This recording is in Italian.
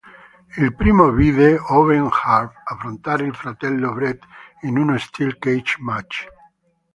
Il primo vide Owen Hart affrontare il fratello Bret in uno steel cage match.